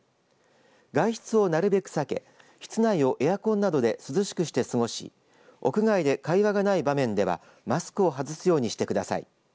外出をなるべく避け室内をエアコンなどで涼しくして過ごし屋外で会話がない場面ではマスクを外すようにしてください。